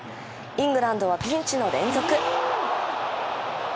イングランドはピンチの連続。